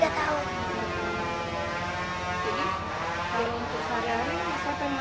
sudah berapa tahun